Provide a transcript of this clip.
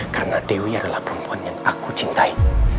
karena dewi adalah perempuan yang aku cintai